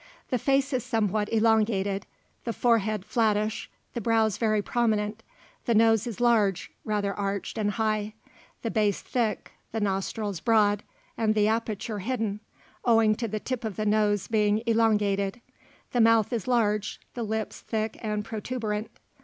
The face is somewhat elongated, the forehead flatfish, the brows very prominent; the nose is large, rather arched and high, the base thick, the nostrils broad, with the aperture hidden, owing to the tip of the nose being elongated; the mouth is large, the lips thick and protuberant.